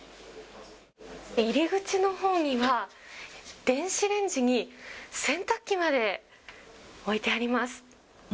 入り口のほうには、電子レンジに洗濯機まで置いてあります。